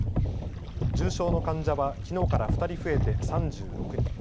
重症の患者はきのうから２人増えて３６人。